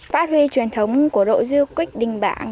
phát huy truyền thống của đội du kích đình bảng